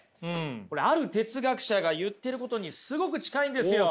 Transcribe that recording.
これある哲学者が言ってることにすごく近いんですよ！